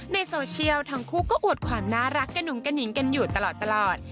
ในโซเชียลทั้งคู่ก็อวดความน่ารักกระหุงกระหนิงกันอยู่ตลอด